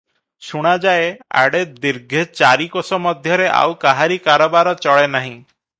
ଶୁଣାଯାଏ, ଆଡ଼େ ଦୀର୍ଘେ ଚାରି କୋଶ ମଧ୍ୟରେ ଆଉ କାହାରି କାରବାର ଚଳେନାହିଁ ।